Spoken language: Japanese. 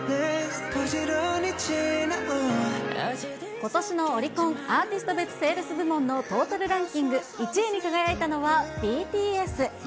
ことしのオリコンアーティスト別セールス部門のトータルランキング１位に輝いたのは、ＢＴＳ。